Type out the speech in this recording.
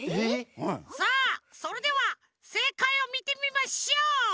さあそれではせいかいをみてみましょう。